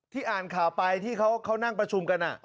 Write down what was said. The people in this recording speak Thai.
อ่านข่าวไปที่เขานั่งประชุมกัน